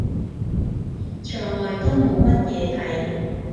牆外都冇乜嘢睇